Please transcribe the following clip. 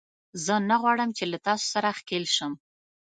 زه نه غواړم چې له تاسو سره ښکېل شم